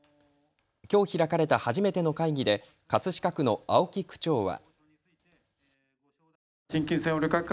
きょう開かれた初めての会議で葛飾区の青木区長は。